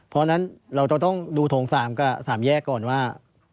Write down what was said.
เราจะต้องดูโถงสามกับสามแยกก่อนว่า